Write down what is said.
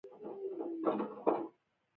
هغه د پاک مینه پر مهال د مینې خبرې وکړې.